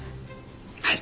はい。